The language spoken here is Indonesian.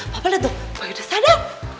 papa liat dong boy udah sadar